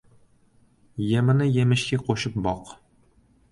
Yemini yemiga qo‘shib boq.